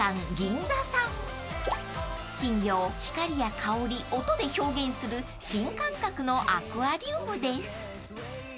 ［金魚を光や香り音で表現する新感覚のアクアリウムです］